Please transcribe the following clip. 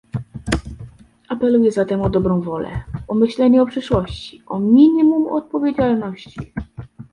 Apeluję zatem o dobrą wolę, o myślenie o przyszłości, o minimum odpowiedzialności